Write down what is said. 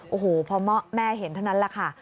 โอ้โหพอแม่เห็นเท่านั้นแหละค่ะ